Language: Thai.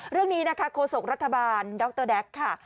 เรื่องนี้นะคะโฆษกรัฐบาลดรแด๊กค่ะ